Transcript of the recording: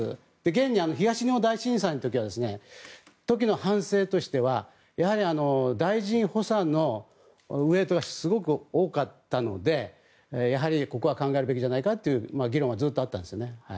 現に東日本大震災の時の反省としてはやはり大臣補佐のウェートがすごく多かったのでやはりここは考えるべきじゃないかという議論はずっとあったんですよね。